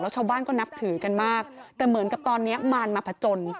ชาวบ้านก็นับถือกันมากแต่เหมือนกับตอนนี้มารมาผจญ